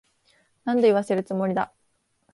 何度言わせるつもりだ。